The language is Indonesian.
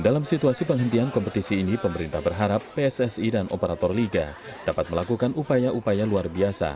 dalam situasi penghentian kompetisi ini pemerintah berharap pssi dan operator liga dapat melakukan upaya upaya luar biasa